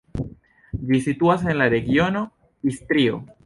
Ĝi situas en la regiono Istrio.